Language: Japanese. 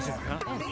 うん。